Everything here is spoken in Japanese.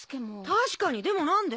確かにでも何で？